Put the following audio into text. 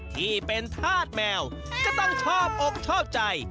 ที่เป็นธาตุแมวก็ต้องชอบอกชอบใจ